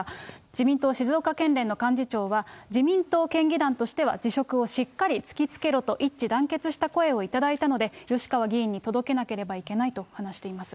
自民党会派静岡県連の幹事長は、自民党県議団としては辞職をしっかり突きつけると、一致団結した声を頂いたので、吉川議員に届けなければいけないと話しています。